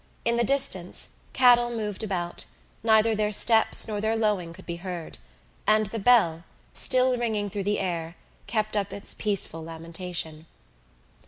In the distance cattle moved about; neither their steps nor their lowing could be heard; and the bell, still ringing through the air, kept up its peaceful lamentation.